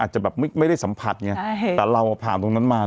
จะแบบไม่ได้สัมผัสไงแต่เราผ่านตรงนั้นมา